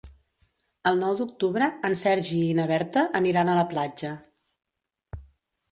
El nou d'octubre en Sergi i na Berta aniran a la platja.